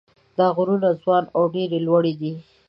دا غرونه ځوان او ډېر لوړ دي.